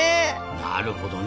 なるほどね。